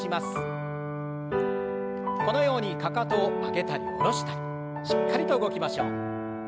このようにかかとを上げたり下ろしたりしっかりと動きましょう。